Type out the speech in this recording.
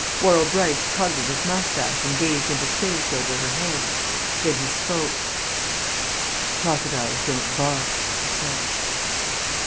Worrall Brice tugged at his moustache and gazed into space over her head. Then he spoke. "Crocodiles don't bark," he said.